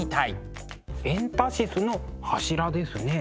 エンタシスの柱ですね。